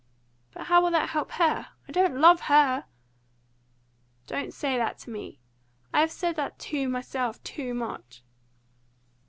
"But how will that help her? I don't love HER." "Don't say that to me! I have said that to myself too much."